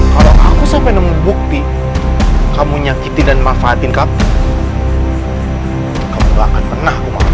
kalau aku sampai nemu bukti kamu nyakitin dan manfaatin kamu kamu gak akan pernah